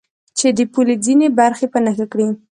چې د پولې ځینې برخې په نښه کړي.